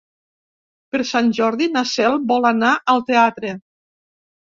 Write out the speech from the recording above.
Per Sant Jordi na Cel vol anar al teatre.